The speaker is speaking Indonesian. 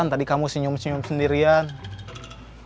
kagak ada sole pro belum muslim dia nanya nih